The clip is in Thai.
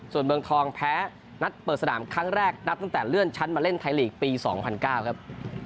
ส่วนเมืองทองแพ้นัดเปิดสนามครั้งแรกนับตั้งแต่เลื่อนชั้นมาเล่นไทยลีกปี๒๐๐๙ครับ